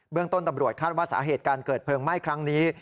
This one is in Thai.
เรื่องต้นตำรวจคาดว่าสาเหตุการเกิดเพลิงไหม้ครั้งนี้